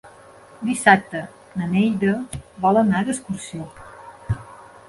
Dissabte na Neida vol anar d'excursió.